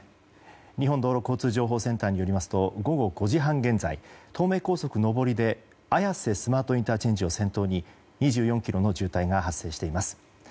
日本道路交通情報センターによりますと午後５時半現在、東名高速上りで綾瀬スマートＩＣを先頭に２４ｋｍの渋滞が発生しています。